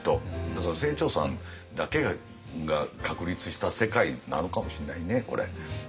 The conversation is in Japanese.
だから清張さんだけが確立した世界なのかもしんないねこれ。